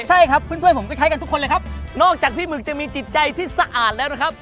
ใช่ครับเพื่อนผมคล้ายกันทุกคนเลยครับนอกจากพี่หมึกจะมีจิตใจที่สะอาดแล้วนะครับ